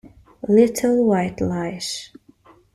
Little White Lies